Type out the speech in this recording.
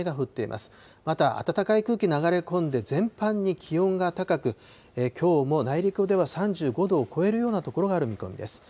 また暖かい空気流れ込んで、全般に気温が高く、きょうも内陸では３５度を超えるような所がある見込みです。